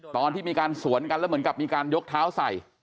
ตอนที่มีการสวนกันแล้วเหมือนกับมีการยกเท้าใส่